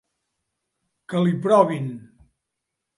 Que li provin.